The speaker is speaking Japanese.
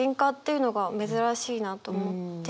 いうのが珍しいなと思って。